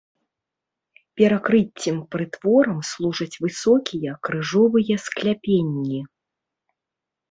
Перакрыццем прытворам служаць высокія крыжовыя скляпенні.